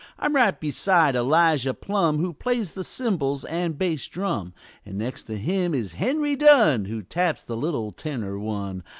I'm right beside Elijah Plumb, Who plays th' cymbals an' bass drum; An' next to him is Henry Dunn, Who taps the little tenor one.